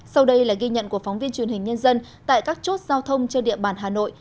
sau đây là ghi nhận của phóng viên truyền hình nhân dân tại các chốt giao thông trên địa bàn hà nội